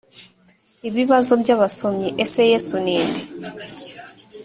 ibibazo by abasomyi ese yesu ni nde